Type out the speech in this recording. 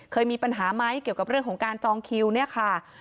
เคยมีปัญหาไหมเกี่ยวกับเรื่องของการจองคิวเนี่ยค่ะ